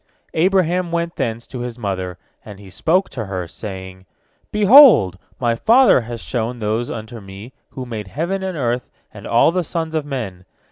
Abraham went thence to his mother, and he spoke to her, saying: "Behold, my father has shown those unto me who made heaven and earth and all the sons of men.